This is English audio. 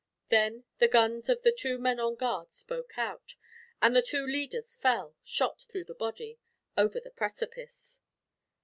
Then the guns of the two men on guard spoke out, and the two leaders fell, shot through the body, over the precipice.